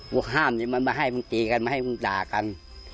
ก็ห้ามเลยมันมาให้มันตีกันมาให้มันด่ากัน